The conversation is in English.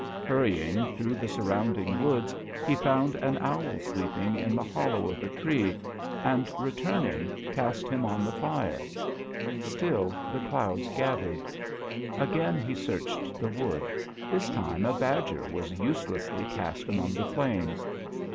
Hurrying through the surrounding woods he found an owl sleeping in the hollow of a tree, and returning cast him DHOYA. on the fire. Still the clouds gathered. Again he searched the woods. This time a badger was uselessly cast among the flames.